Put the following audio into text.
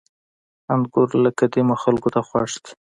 • انګور له قديمه خلکو ته خوښ دي.